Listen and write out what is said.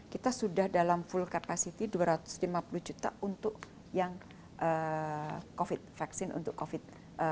kita sudah dalam full capacity dua ratus lima puluh juta untuk yang covid vaksin untuk covid